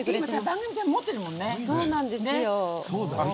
番組、持ってるもんね。